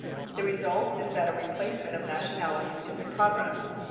The result is that a replacement of nationalities is in progress.